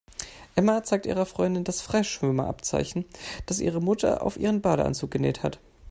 Emma zeigt ihrer Freundin das Freischwimmer-Abzeichen, das ihre Mutter auf ihren Badeanzug genäht hat.